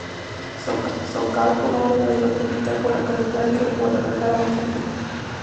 Zacoalco está a una hora de la ciudad capital por la carretera libre Guadalajara-Manzanillo.